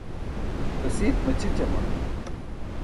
rasiit maćʰićama?